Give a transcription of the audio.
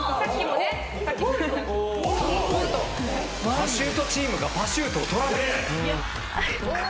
パシュートチームがパシュートを取らない。